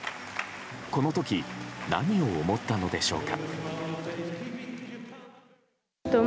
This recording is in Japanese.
この時、何を思ったのでしょうか。